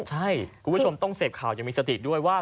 ใช่คุณผู้ชมต้องเสพข่าวยังมีสติด้วยว่า